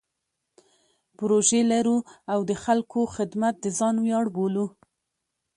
پروژې لرو او د خلکو خدمت د ځان ویاړ بولو.